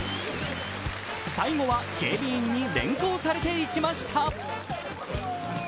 最後は警備員に連行されていきました。